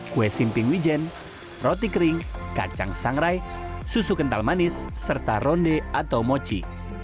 kue simping wijen roti kering kacang sangrai susu kental manis serta ronde atau mochi